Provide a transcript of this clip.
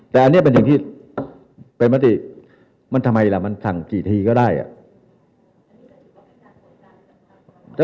แต่อันนี้เป็นสิ่งที่เป็นมติมันทำไมล่ะมันสั่งกี่ทีก็ได้อ่ะ